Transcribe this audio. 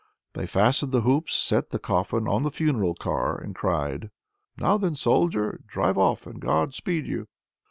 They fastened the hoops, set the coffin on the funeral car, and cried "Now then, Soldier! drive off, and God speed you!"